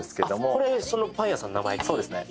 これそのパン屋さんの名前かそうですね